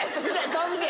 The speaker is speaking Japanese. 顔見て！